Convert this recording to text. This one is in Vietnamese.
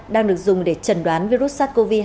đang được dùng để trần đoán virus sars cov hai